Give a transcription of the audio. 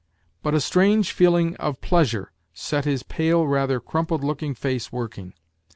But a strange feeling of pleasure set his pale, rather crumpled looking face working.